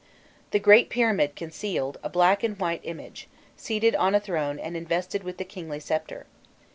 The great pyramid concealed a black and white image, seated on a throne and invested with the kingly sceptre.